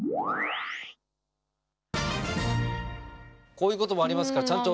こういうこともありますからちゃんと。